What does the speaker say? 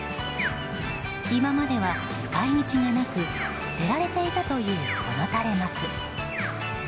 今までは使い道がなく捨てられていたというこの垂れ幕。